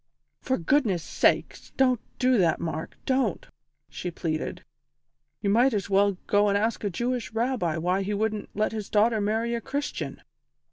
"For goodness' sake, don't do that, Mark don't!" she pleaded. "You might as well go and ask a Jewish Rabbi why he wouldn't let his daughter marry a Christian.